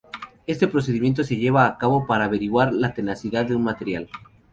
Este procedimiento se lleva a cabo para averiguar la tenacidad de un material.